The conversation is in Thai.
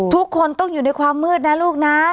ทุกคนต้องอยู่ในความมืดนะลูกนะ